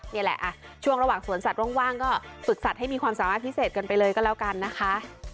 นี่แหละช่วงระหว่างสวนสัตว์ว่างก็ฝึกสัตว์ให้มีความสามารถพิเศษกันไปเลยก็แล้วกันนะคะ